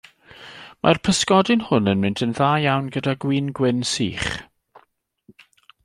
Mae'r pysgodyn hwn yn mynd yn dda iawn gyda gwin gwyn sych.